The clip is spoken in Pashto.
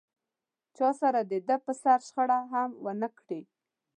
چا سره دده پر سر شخړه هم و نه کړي.